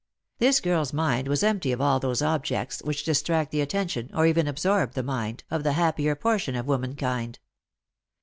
This girl's mind was empty of all those objects which distract the atten tion, or even absorb the mind, of the happier portion of woman kind.